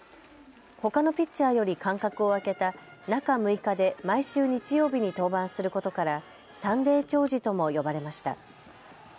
ほかのピッチャーより間隔を空けた中６日で毎週日曜日に登板することからサンデー兆治とも呼ばれました。